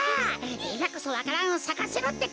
いまこそわか蘭をさかせろってか！